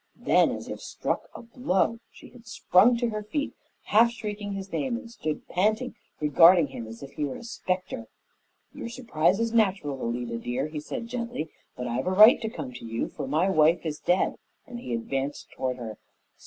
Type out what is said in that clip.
Then, as if struck a blow, she had sprung to her feet, half shrieked his name and stood panting, regarding him as if he were a specter. "Your surprise is natural, Alida, dear," he said gently, "but I've a right to come to you, for my wife is dead," and he advanced toward her.